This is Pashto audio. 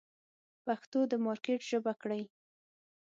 پښتو د مارکېټ ژبه کړئ.